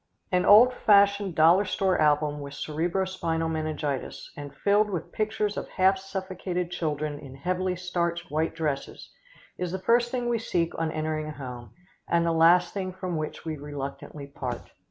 An old fashioned dollar store album with cerebro spinal meningitis, and filled with pictures of half suffocated children in heavily starched white dresses, is the first thing we seek on entering a home, and the last thing from which we reluctantly part.